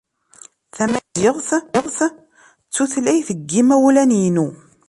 Tamaziɣt d tutlayt n yimawlan-inu.